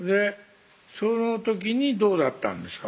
その時にどうだったんですか？